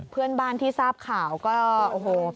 เพื่อนบ้านที่ทราบข่าวก็โอ้โห